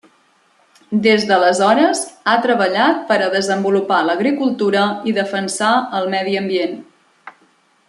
Des d'aleshores ha treballat per a desenvolupar l'agricultura i defensar el medi ambient.